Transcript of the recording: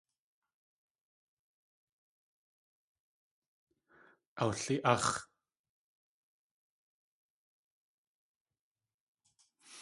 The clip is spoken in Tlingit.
Awli.áx̲.